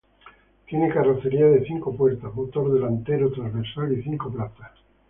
Tiene carrocería de cinco puertas, motor delantero transversal y cinco plazas.